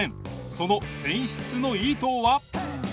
その選出の意図は？